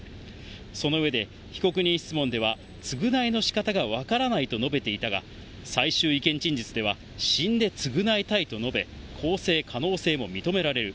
その上で、被告人質問では、償いのしかたが分からないと述べていたが、最終意見陳述では、死んで償いたいと述べ、更生可能性も認められる。